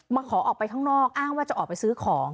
ขอออกไปข้างนอกอ้างว่าจะออกไปซื้อของ